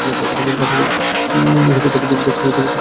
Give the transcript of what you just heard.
দার্শনিক অংশের তথ্যপঞ্জী ডক্টর সতীশচন্দ্র চট্টোপাধ্যায় দেখিয়া দিয়াছেন।